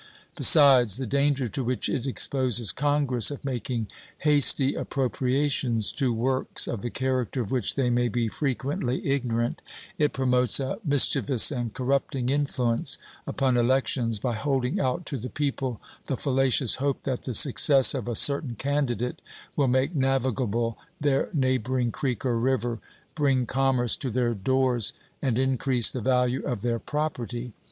Besides the danger to which it exposes Congress of making hasty appropriations to works of the character of which they may be frequently ignorant, it promotes a mischievous and corrupting influence upon elections by holding out to the people the fallacious hope that the success of a certain candidate will make navigable their neighboring creek or river, bring commerce to their doors, and increase the value of their property.